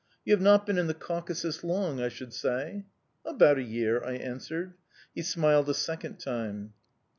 "You have not been in the Caucasus long, I should say?" "About a year," I answered. He smiled a second time.